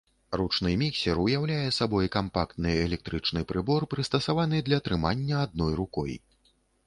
Ручны міксер уяўляе сабой кампактны электрычны прыбор, прыстасаваны для трымання адной рукой.